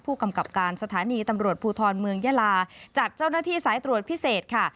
ผู้กำกับการสถานีตำรวจภูทรเมืองยาลาจัดเจ้าหน้าที่สายตรวจพิเศษค่ะ